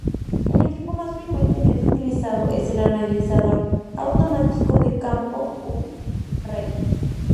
El equipo más frecuentemente utilizado es el "Analizador automático de campo Humphrey".